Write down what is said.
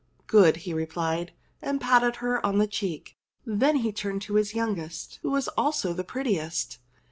"Good !" he replied, and patted her on the cheek. Then he turned to the youngest, who was also the prettiest.